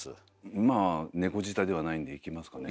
まあ猫舌ではないんでいきますかね。